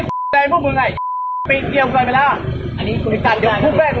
ผมทำตามนาที่ครับ